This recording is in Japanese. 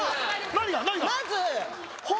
何が？